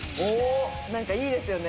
なんかいいですよね。